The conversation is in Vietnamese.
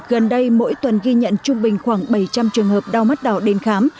gần đây mỗi tuần ghi nhận trung bình khoảng bảy trăm linh trường hợp đau mắt đỏ đến khám